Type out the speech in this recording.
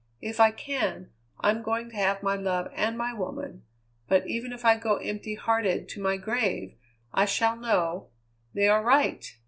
If I can, I'm going to have my love and my woman; but even if I go empty hearted to my grave I shall know they are right!